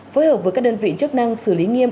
phối hợp với các đơn vị chức năng xử lý nghiêm